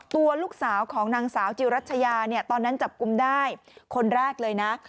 ตัวลูกสาวของนางสาวจิวรัชยาตอนนั้นจับกลุ่มได้คนแรกเลยนะ